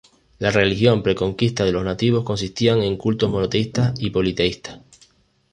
La religión pre-conquista de los nativos consistían en cultos monoteístas y politeístas.